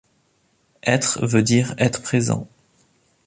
Être veut dire, être présent.